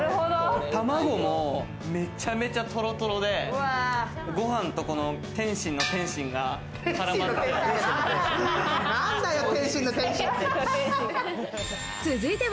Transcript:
卵もめちゃくちゃトロトロで、ご飯と、この天津の天津が絡まって。